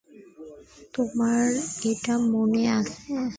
তোমার এটা মনে আছে?